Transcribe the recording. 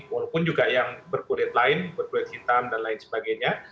walaupun juga yang berkulit lain berkulit hitam dan lain sebagainya